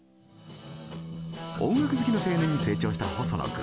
音楽好きの青年に成長した細野君。